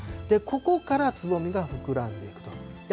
ここからつぼみが膨らんでいくと。